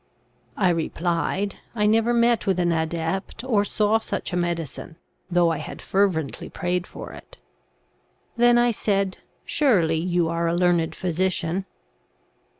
I replied, I never met with an adept, or saw such a medi cine, though I had fervently prayed for it. Then I said, 4 Surely you are a learned physician.'